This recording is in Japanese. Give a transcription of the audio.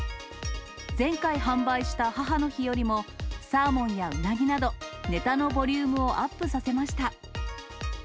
前回販売した母の日よりも、サーモンやウナギなど、ネタのボリュームをアップさせました。